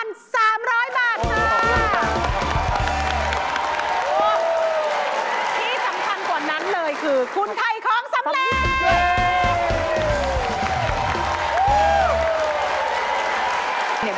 ที่สำคัญกว่านั้นเลยคือคุณไทยของสำเร็จ